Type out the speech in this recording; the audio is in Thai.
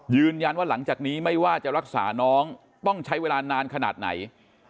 ยืนยันว่าหลังจากนี้ไม่ว่าจะรักษาน้องต้องใช้เวลานานขนาดไหน